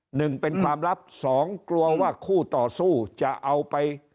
หนึ่งเป็นความลับสองกลัวว่าคู่ต่อสู้จะเอาไป